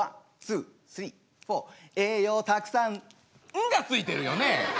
「ん」がついてるよね！？